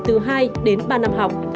từ hai đến ba năm học